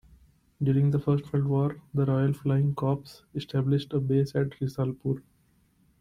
During the First World War, the Royal Flying Corps established a base at Risalpur.